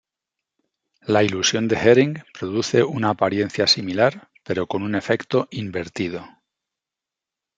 La ilusión de Hering produce una apariencia similar, pero con un efecto invertido.